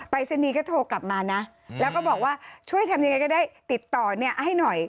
รายศนีย์ก็โทรกลับมานะแล้วก็บอกว่าช่วยทำยังไงก็ได้ติดต่อเนี่ยให้หน่อย